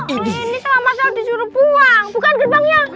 ini selama selama disuruh buang bukan gerbangnya